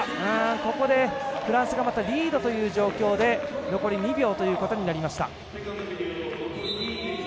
ここでフランスがまたリードという状況で残り２秒ということになりました。